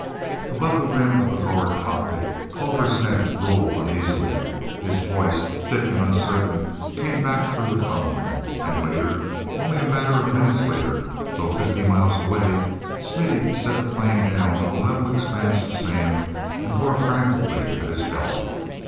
Above the rim of the forward cockpit Culver's head rolled uneasily; his voice, thick and uncertain, came back through the phone; and later—only a matter of minutes later, though fifty miles away—Smithy set the plane down on a level expanse of sand and tore frantically at his belt.